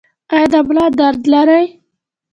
ایا د ملا درد لرئ؟